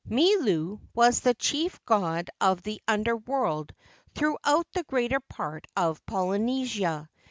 Milu was the chief god of the Under world throughout the greater part of Polynesia.